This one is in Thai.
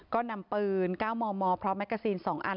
ก็นำปืน๙มมพร้อมแกซีน๒อัน